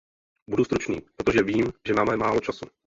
Budu stručný, protože vím, že máme málo času.